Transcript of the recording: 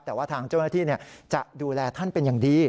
แต่ว่าทางเจ้าหน้าที่จะดูแลท่านเป็นอย่างดี